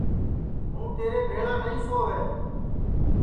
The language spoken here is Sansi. ہوں تیرے بھیݪا نائی سؤے